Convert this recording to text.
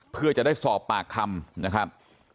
เพื่อจะได้สอบปากคำนะครับ